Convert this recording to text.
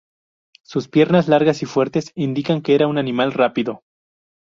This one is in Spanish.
Sus piernas largas y fuertes indican que era un animal rápido.